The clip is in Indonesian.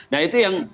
nah itu yang